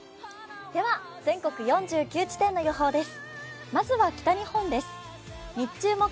では全国４９地点の予報です。